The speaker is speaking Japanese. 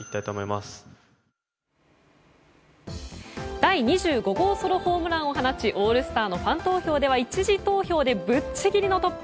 第２５号ソロホームランを放ちオールスターのファン投票では１次投票でぶっちぎりのトップ。